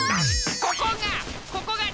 ここが！